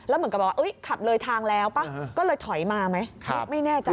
แล้วเหมือนกับว่าขับเลยทางแล้วป่ะก็เลยถอยมาไหม